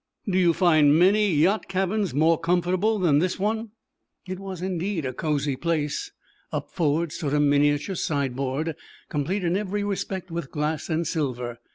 Do you find many yacht cabins more comfortable than this one?" It was, indeed, a cozy place. Up forward stood a miniature sideboard, complete in every respect with glass and silver.